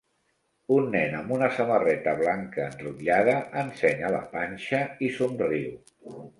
Un nen amb una samarreta blanca enrotllada ensenya la panxa i somriu.